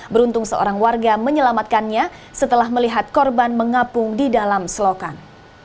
beruntung seorang warga menyelamatkannya setelah melihat korban mengapung di dalam selokan